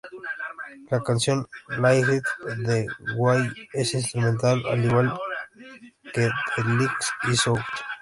La canción "Lightning the Way" es instrumental al igual que "The Light Is Out".